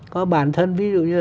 có bản thân ví dụ như